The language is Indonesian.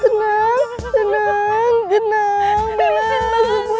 tolong nyuruhkan aku